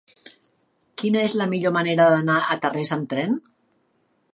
Quina és la millor manera d'anar a Tarrés amb tren?